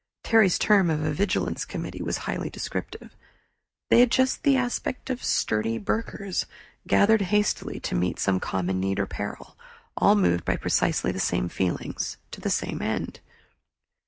Terry's term of a "vigilance committee" was highly descriptive. They had just the aspect of sturdy burghers, gathered hastily to meet some common need or peril, all moved by precisely the same feelings, to the same end.